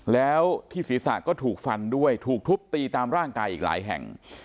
แล้วที่ศีรษะก็ถูกฟันด้วยถูกทุบตีตามร่างกายอีกหลายแห่ง